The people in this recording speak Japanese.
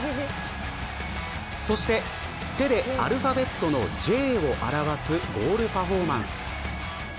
そして手でアルファベットのＪを表すゴールパフォーマンス。